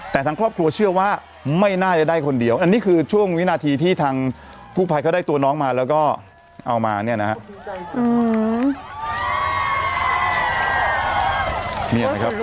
แต่ทางครอบครัวเชื่อว่าไม่น่าจะได้คนเดียวอันนี้คือช่วงวินาทีที่ทางกู้ภัยเขาได้ตัวน้องมาแล้วก็เอามาเนี่ยนะฮะ